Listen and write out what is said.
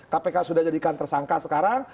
kpk sudah jadikan tersangka sekarang